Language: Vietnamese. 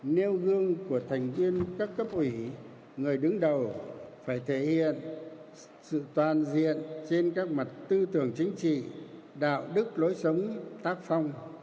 nêu gương của thành viên các cấp ủy người đứng đầu phải thể hiện sự toàn diện trên các mặt tư tưởng chính trị đạo đức lối sống tác phong